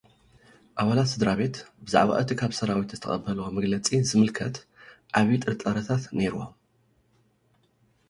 ኣባላት ስድራቤት፡ ብዛዕባ እቲ ካብ ሰራዊት ዝተቐበሉዎ መግለጺ ዝምልከት ዓቢ ጥርጣረታት ነይሩዎም።